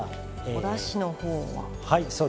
おだしのほうは。